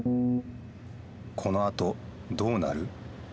このあとどうなる？